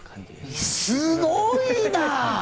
すごいな！